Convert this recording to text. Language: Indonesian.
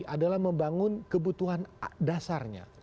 adalah membangun kebutuhan dasarnya